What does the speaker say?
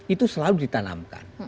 itu selalu ditanamkan